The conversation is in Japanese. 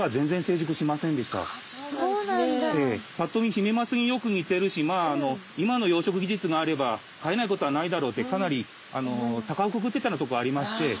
ぱっと見ヒメマスによく似てるし今の養殖技術があれば飼えないことはないだろうってかなりたかをくくってたようなところありまして。